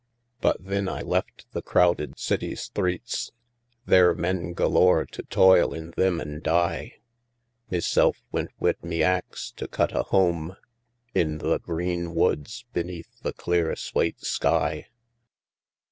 "But thin I left the crowded city sthreets, There men galore to toil in thim an' die, Meself wint wid me axe to cut a home In the green woods beneath the clear, swate sky.